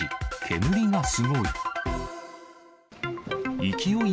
煙がすごい。